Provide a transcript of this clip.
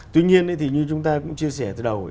tuy nhiên ấy thì như chúng ta cũng chia sẻ từ đầu ấy